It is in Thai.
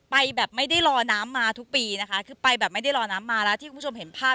ไปแบบไม่ได้รอน้ำมาทุกปีนะคะคือไปแบบไม่ได้รอน้ำมาแล้วที่คุณผู้ชมเห็นภาพ